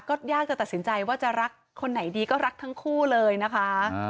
ก็ยากจะตัดสินใจว่าจะรักคนไหนดีก็รักทั้งคู่เลยนะคะ